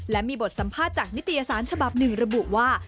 และมีบทสัมภาษณ์จากนิตยสารฉบับหนึ่งระบุว่า